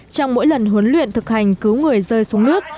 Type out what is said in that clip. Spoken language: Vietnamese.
trong mỗi lần huấn luyện thực hành cứu người rơi xuống nước